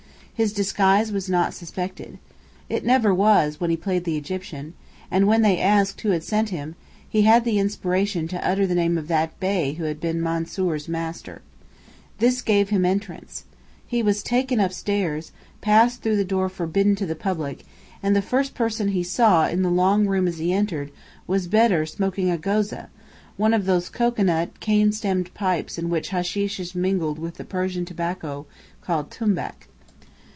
His disguise was not suspected. It never was, when he played the Egyptian; and when asked who had sent him, he had the inspiration to utter the name of that Bey who had been Mansoor's master. This gave him entrance. He was taken upstairs, passed through the door "Forbidden to the Public"; and the first person he saw in the long room as he entered, was Bedr smoking a gozeh, one of those cocoanut, cane stemmed pipes in which hasheesh is mingled with the Persian tobacco called tumbák.